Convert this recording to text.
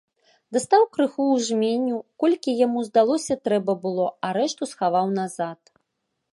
Дастаў крыху ў жменю, колькі яму здалося трэба было, а рэшту схаваў назад.